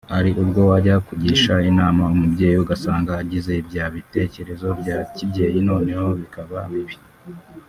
Hari ubwo wajya kugisha inama umubyeyi ugasanga agize bya bitekerezo bya kibyeyi noneho bikaba bibi